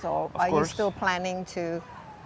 atau kamu masih berencana untuk